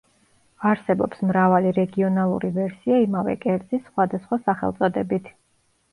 არსებობს მრავალი რეგიონალური ვერსია იმავე კერძის სხვადასხვა სახელწოდებით.